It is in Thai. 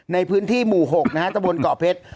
ในพื้นที่หมู่๖นะฮะตะบนเกาะเพชร